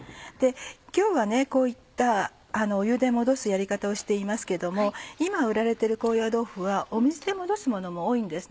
今日はこういった湯で戻すやり方をしていますけども今売られている高野豆腐は水で戻すものも多いんです。